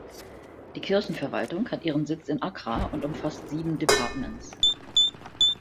Die Kirchenverwaltung hat ihren Sitz in Accra und umfasst sieben "departments".